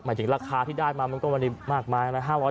หมายถึงราคาที่ได้มามันก็ว่าดีมากมายไหมห้าร้อยได้ไหม